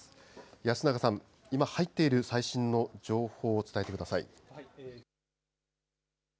安永さん、今入っている最新の情報を伝えてください。